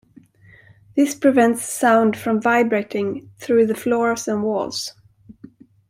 This prevents sound from vibrating through the floors and walls.